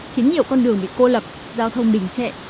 khiến nhiều con đường bị cô lập giao thông đình trệ